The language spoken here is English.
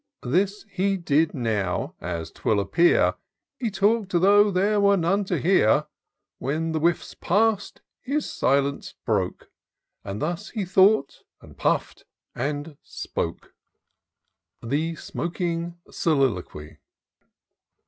This he did now — as 'twill appear ; He talk'd, though there were none to hear ; When the whiffs pass'd, he silence broke. And thus hi thought, and puff 'd, and spoke : The Smoking Soliloquy.